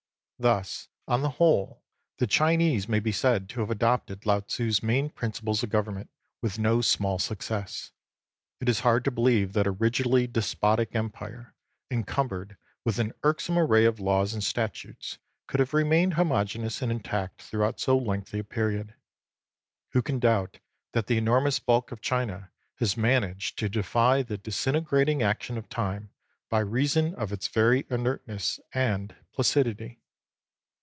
Thus, on the whole, the Chinese may be said to have adopted Lao Tzu's main principles of government, with no small success. It is hard to believe that a rigidly despotic Empire, encumbered with an irksome array of laws and statutes, could have remained homogeneous and intact throughout so lengthy a period. Who can doubt that the enormous bulk of China has managed to defy the disintegrating action of time by reason of its very inertness and placidity